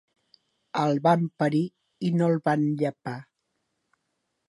El van parir i no el van llepar.